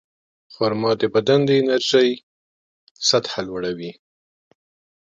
خرما د بدن د انرژۍ سطحه لوړوي.